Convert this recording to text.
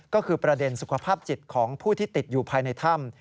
ก็คือประเด็นสุขภาพจิตของผู้ที่ติดอยู่ภายในถ้ำ